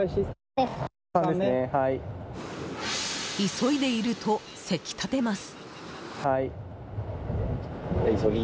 急いでいると、急き立てます。